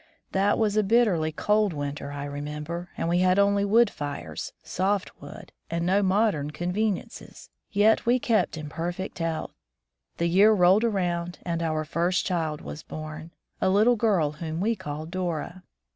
That was a bitterly cold winter, I remember, and we had only wood fires (soft wood) and no "modem conveniences"; yet we kept in perfect health. The year rolled around and our first child was born — a little girl whom we called Dora.